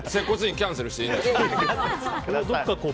キャンセルしていいですか。